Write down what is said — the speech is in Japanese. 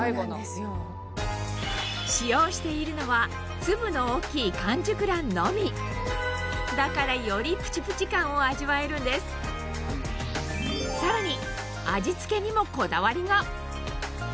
使用しているのは粒の大きい完熟卵のみだからよりプチプチ感を味わえるんですさらに